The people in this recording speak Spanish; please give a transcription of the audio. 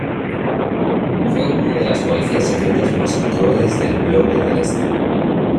Fue una de las policías secretas más crueles del bloque del Este.